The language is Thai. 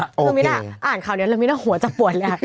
ปุ๋ยาอ่านข่าวเนี้ยลมิน่าหัวจับปวดเลยอ่ะ